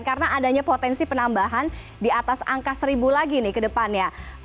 karena adanya potensi penambahan di atas angka seribu lagi nih ke depannya